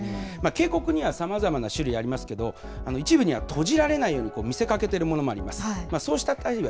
警告にはさまざまな種類ありますけれども、一部には閉じられないように見せかけてるものもあります。